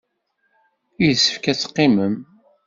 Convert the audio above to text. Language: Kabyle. Yessefk ad teqqimem.